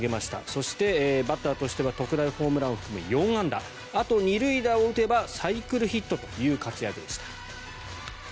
そしてバッターとしては特大ホームランを含む４安打あと２塁打を打てばサイクルヒットという活躍でした。